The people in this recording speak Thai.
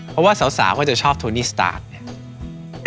เพราะว่าสาวก็จะชอบโทนี่สตาร์ทเนี่ย